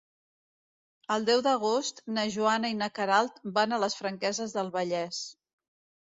El deu d'agost na Joana i na Queralt van a les Franqueses del Vallès.